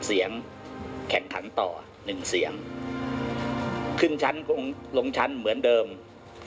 แล้วก็กำหนดทิศทางของวงการฟุตบอลในอนาคต